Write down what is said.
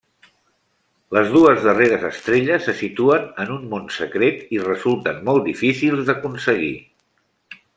Les dues darreres estrelles se situen en un món secret i resulten molt difícils d'aconseguir.